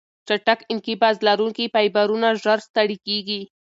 چټک انقباض لرونکي فایبرونه ژر ستړې کېږي.